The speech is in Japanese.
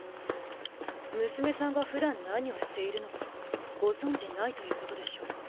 娘さんがふだん何をしているのかご存じないということでしょうか。